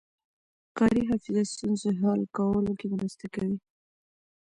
کاري حافظه ستونزې حل کولو کې مرسته کوي.